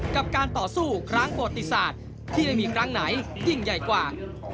กับการต่อสู้ครั้งประวัติศาสตร์ที่ไม่มีครั้งไหนยิ่งใหญ่กว่า